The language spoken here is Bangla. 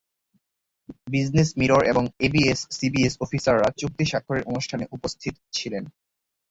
বিজনেস মিরর এবং এবিএস-সিবিএন অফিসাররা চুক্তি স্বাক্ষরের অনুষ্ঠানে উপস্থিত ছিলেন।